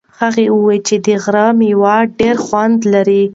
هغه وایي چې د غره مېوې ډېر خوند لري.